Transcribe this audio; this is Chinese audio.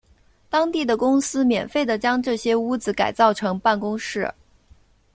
当地的公司免费地将这些屋子改造成办公室。